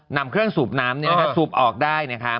นำเครื่องสูบน้ำเนี่ยสูบออกได้นะครับ